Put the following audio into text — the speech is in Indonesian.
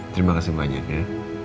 terima kasih banyak ya